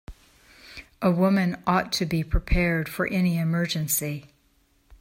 A woman ought to be prepared for any emergency.